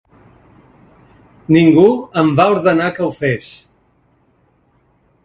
Ningú em va ordenar que ho fes.